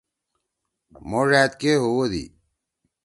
مھو ڙأت کے ہُوَدی۔